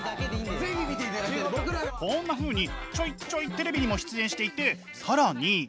こんなふうにちょいちょいテレビにも出演していて更に。